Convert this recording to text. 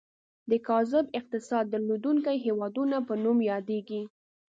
د کاذب اقتصاد درلودونکي هیوادونو په نوم یادیږي.